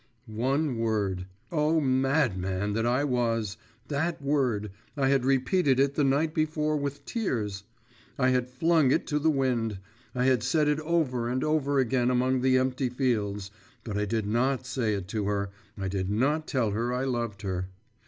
One word.… Oh, madman that I was! That word … I had repeated it the night before with tears, I had flung it to the wind, I had said it over and over again among the empty fields … but I did not say it to her, I did not tell her I loved her.